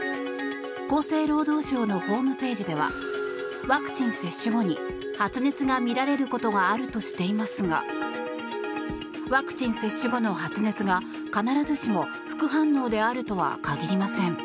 厚生労働省のホームページではワクチン接種後に発熱が見られることがあるとしていますがワクチン接種後の発熱が必ずしも副反応であるとは限りません。